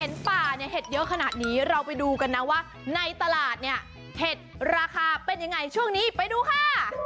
ป่าเนี่ยเห็ดเยอะขนาดนี้เราไปดูกันนะว่าในตลาดเนี่ยเห็ดราคาเป็นยังไงช่วงนี้ไปดูค่ะ